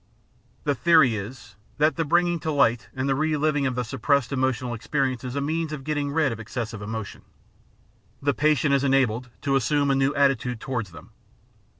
The theory is that the bringing to light and the re living of the suppressed emotional experiences is a means of getting rid of excessive emotion. The patient is enabled to assume a new atti tude towards them.